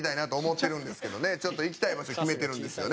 行きたい場所決めてるんですよね。